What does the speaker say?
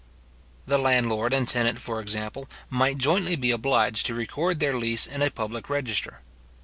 The landlord and tenant, for example, might jointly be obliged to record their lease in a public register.